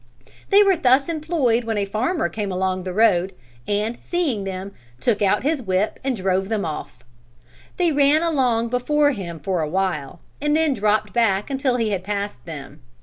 They were thus employed when a farmer came along the road and, seeing them, took out his whip and drove them off. They ran along before him for a while and then dropped back until he had passed them.